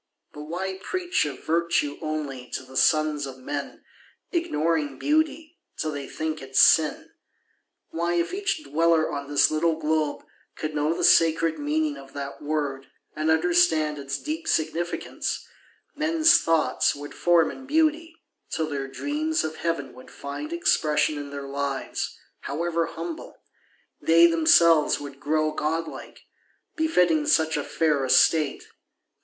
But why preach Of virtue only to the sons of men, Ignoring beauty, till they think it sin? Why, if each dweller on this little globe Could know the sacred meaning of that word And understand its deep significance, Men's thoughts would form in beauty, till their dreams Of heaven would find expression in their lives, However humble; they themselves would grow Godlike, befitting such a fair estate.